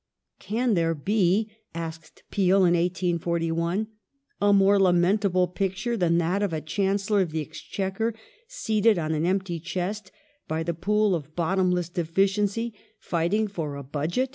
" Can there be," asked Peel in 1841, " a more lamentable picture than that of a Chancellor of the Exchequer seated on an empty chest, by the pool of bottomless deficiency, fighting for a Budget